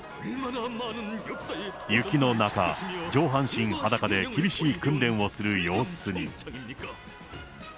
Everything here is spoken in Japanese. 雪の中、上半身裸で厳しい訓練をする様子に。